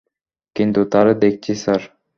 কিন্তু তারে দেখছি স্যার।